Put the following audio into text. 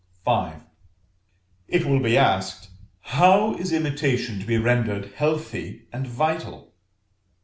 V. It will be asked, How is imitation to be rendered healthy and vital?